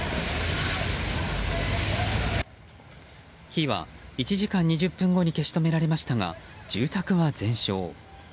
火は１時間２０分後に消し止められましたが住宅は全焼。